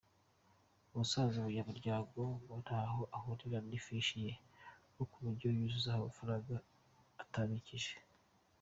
Ubusanzwe umunyamuryango ngo ntaho ahurira n’ifishi ye ku buryo yayuzuzaho amafaranga atabikije.